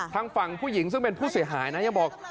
ทางฝั่งผู้หญิงซึ่งเป็นผู้เสียหายนะยังบอก